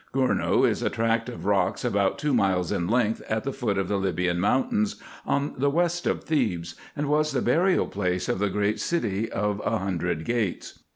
Gournou is a tract of rocks, about two miles in length, at the foot of the Libyan moun tains, on the west of Thebes, and was the burial place of the great city of a hundred gates.